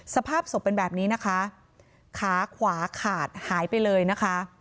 สภาพศพเป็นแบบนี้นะคะขาขวาขาดหายไปเลยนะคะ